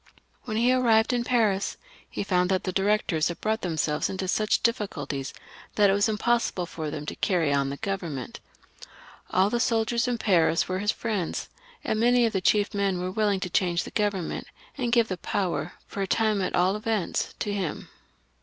When he arrived in Paris he found that the Directors had brought themselves into such difficulties that it was impossible for them to carry on the Grovernment. All the soldiers in Paris were his friends, and many of the chief men were willing to try and change the Government, and give the power, for a time at all events, to him.